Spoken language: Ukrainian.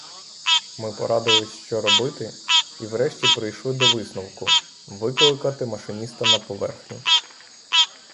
Ми порадились, що робити, і врешті прийшли до висновку: викликати машиніста на поверхню.